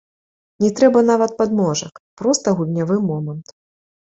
Не трэба нават падножак, проста гульнявы момант.